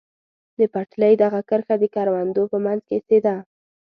د پټلۍ دغه کرښه د کروندو په منځ کې سیده.